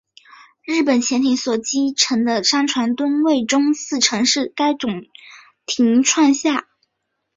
日本潜艇所击沉的商船吨位中四成是该种艇创下。